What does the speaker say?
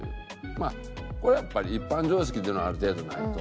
まあこれはやっぱり一般常識っていうのはある程度ないと。